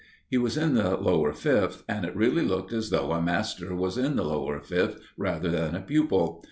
He was in the Lower Fifth, and it really looked as though a master was in the Lower Fifth rather than a pupil.